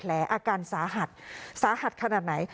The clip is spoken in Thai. อาการสาหัสสาหัสขนาดไหน